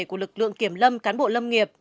của lực lượng kiểm lâm cán bộ lâm nghiệp